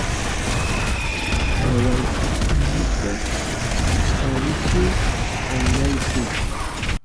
¡Wawaykikunata kiparichiy kayllapi!